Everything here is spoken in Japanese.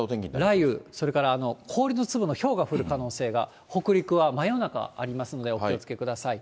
雷雨、ちょっと氷の粒が、ひょうが降る可能性が、北陸は真夜中ありますので、お気をつけください。